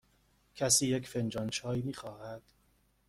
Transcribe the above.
کسی یک فنجان چای می خواهد؟